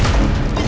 gak mau kali